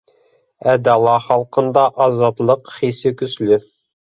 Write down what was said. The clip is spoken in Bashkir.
Ә дала халҡында азатлыҡ хисе көслө.